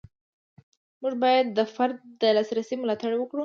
موږ باید د فرد د لاسرسي ملاتړ وکړو.